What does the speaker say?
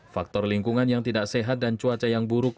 faktor lingkungan yang tidak sehat dan cuaca yang buruk